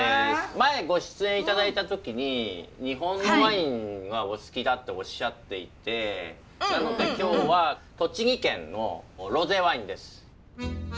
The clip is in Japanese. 前ご出演頂いた時に日本のワインがお好きだっておっしゃっていてなので今日は栃木県のロゼワインです。